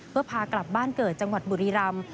เพื่อพากลับบ้านเกิดจังหวัดบุรีรำ